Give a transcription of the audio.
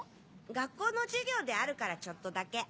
学校の授業であるからちょっとだけ。